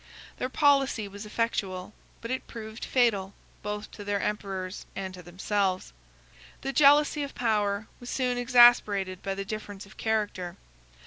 Their policy was effectual, but it proved fatal both to their emperors and to themselves. The jealousy of power was soon exasperated by the difference of character.